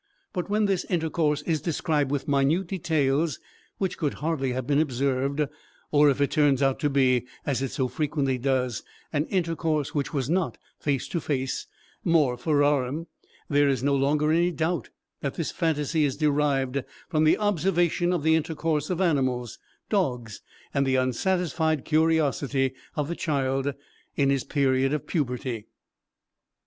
But when this intercourse is described with minute details which could hardly have been observed, or if it turns out to be, as it so frequently does, an intercourse which was not face to face, more ferarum, there is no longer any doubt that this phantasy is derived from the observation of the intercourse of animals (dogs) and the unsatisfied curiosity of the child in his period of puberty.